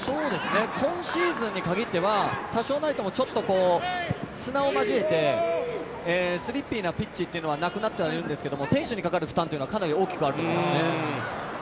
今シーズンにかぎっては多少なりともちょっと砂を混ぜてスリッピーなピッチはなくなっているんですけど選手にかかる負担ってのはかなり大きくあると思いますね。